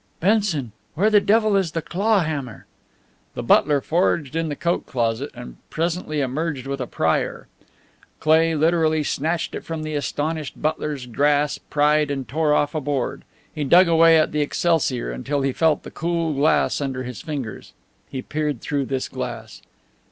"Benson, where the devil is the claw hammer?" The butler foraged in the coat closet and presently emerged with a prier. Cleigh literally snatched it from the astonished butler's grasp, pried and tore off a board. He dug away at the excelsior until he felt the cool glass under his fingers. He peered through this glass.